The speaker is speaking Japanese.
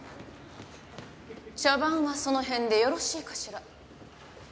茶番はその辺でよろしいかしら？